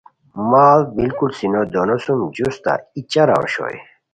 ماڑ بالکل سینو دونو سُم جوستہ ای چارہ اوشوئے